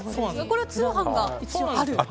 これ、通販が一応あると。